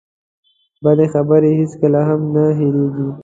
بدې خبرې هېڅکله هم نه هېرېږي.